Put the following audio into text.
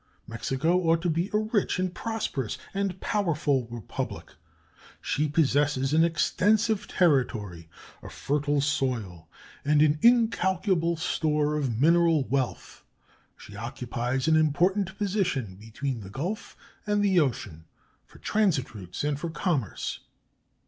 Mexico ought to be a rich and prosperous and powerful Republic. She possesses an extensive territory, a fertile soil, and an incalculable store of mineral wealth. She occupies an important position between the Gulf and the ocean for transit routes and for commerce.